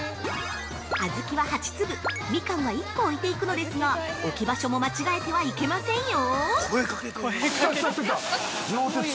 小豆は８粒、みかんは１個置いていくのですが、置き場所も間違えてはいけませんよ。